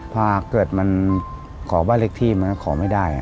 พ่อเกิดมันขอบ้านเล็กที่มันขอไม่ได้